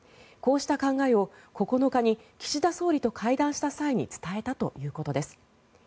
こうした考えを９日に岸田総理と会談した際に伝えたということです。